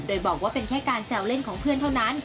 โดยบอกว่าเป็นแค่การแซวเล่นของเพื่อนเท่านั้น